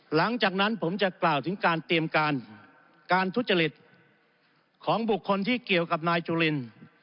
หลังจากนั้นผมจะกล่าวถึงการเตรียมการการทุจริตของบุคคลที่เกี่ยวกับนายจุลิน